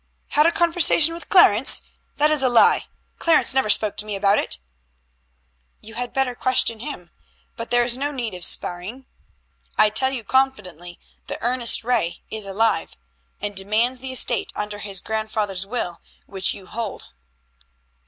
"Had a conversation with Clarence? That is a lie. Clarence never spoke to me about it." "You had better question him. But there is no need of sparring. I tell you confidently that Ernest Ray is alive, and demands the estate under his grandfather's will, which you hold."